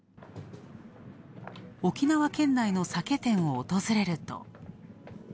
沖縄県内の酒店を訪れると。